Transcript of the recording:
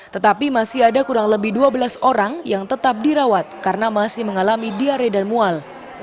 tetapi masih ada kurang lebih dua belas orang yang tetap dirawat karena masih mengalami diare dan mual